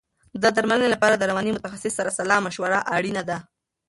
د درملنې لپاره د رواني متخصص سره سلا مشوره اړینه ده.